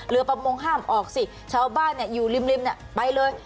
ประมงห้ามออกสิชาวบ้านอยู่ริมไปเลย